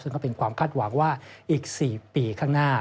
ซึ่งก็เป็นความคาดหวังว่าอีก๔ปีข้างหน้า